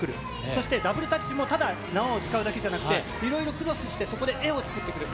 そしてダブルダッチも、ただ縄を使うだけじゃなくて、いろいろクロスして、そこで絵を作ってくる。